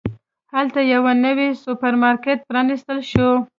هلته یو نوی سوپرمارکېټ پرانستل شو.